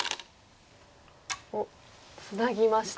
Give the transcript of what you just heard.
おっツナぎました。